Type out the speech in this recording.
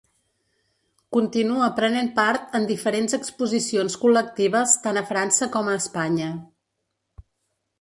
Continua prenent part en diferents exposicions col·lectives tant a França com a Espanya.